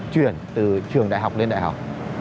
chuyển từ trường đại học lên đại học